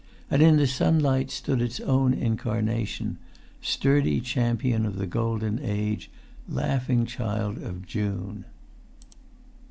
And in the sunlight stood its own incarnation—sturdy champion of the golden age—laughing child of June.